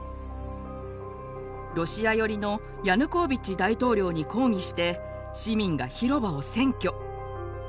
ロシア寄りのヤヌコービッチ大統領に抗議して市民が広場を占拠。